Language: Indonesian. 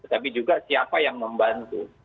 tapi juga siapa yang membantu